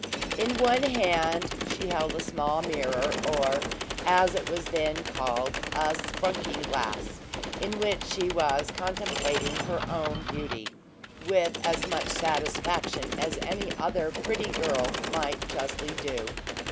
In one hand she held a small mirror, or, as it was then called, a "sprunking glass," in which she was contemplating her own beauty, with as much satisfaction as any other pretty girl might justly do.